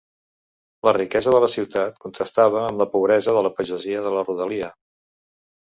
La riquesa de la ciutat contrastava amb la pobresa de la pagesia de la rodalia.